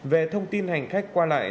về thông tin hành khách qua lại